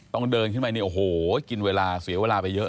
เดินขึ้นไปนี่โอ้โหกินเวลาเสียเวลาไปเยอะ